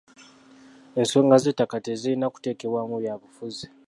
Ensonga z'ettaka tezirina kuteekebwamu byabufuzi.